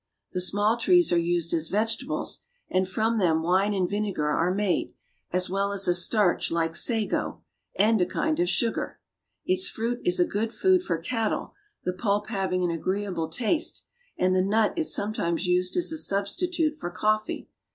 The small trees are used as vegetables, and from them wine and vinegar are made, as well as a starch like sago,' and a kind of sugar. Its fruit is a good food for cattle, the pulp hav ing an agreeable taste, and the nut is sometimes used as a substitute for coffee.